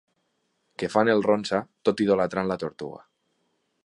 Que fan el ronsa, tot idolatrant la tortuga.